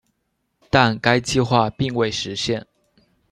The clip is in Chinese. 但该计划并未实现。